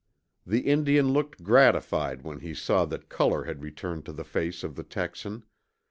The Indian looked gratified when he saw that color had returned to the face of the Texan.